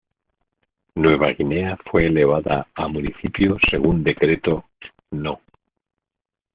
Nueva Guinea fue elevada a Municipio según decreto No.